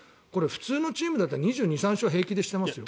普通のチームだったら２２２３勝平気でしていますよ。